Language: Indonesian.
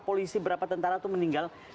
polisi berapa tentara itu meninggal